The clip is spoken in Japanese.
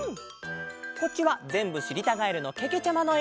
こっちはぜんぶしりたガエルのけけちゃまのえ！